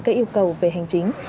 các yêu cầu về hành chính